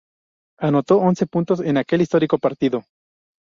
Anotó once puntos en aquel histórico partido.